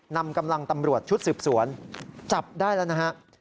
นำกำลังตำรวจชุดสืบสวนจับได้แล้วนะฮะ